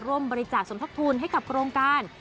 ร่วมบริจาคสมทบทุนให้กับโครงการ